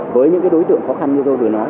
với những cái đối tượng khó khăn như tôi vừa nói